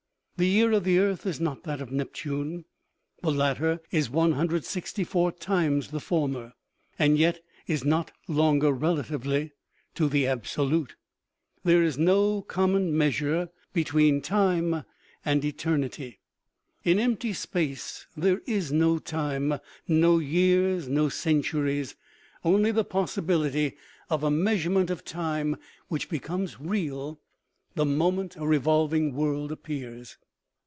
The year of the earth is not that of Nep tune. The latter is 164 times the former, and yet is not longer relatively to the absolute. There is no common measure between time and eternity. In empty space there is no time, no years, no centuries ; only the possibility of a 270 OMEGA. measurement of time which becomes real the moment a revolving world appears.